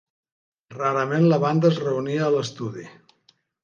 Rarament la banda es reunia a l'estudi.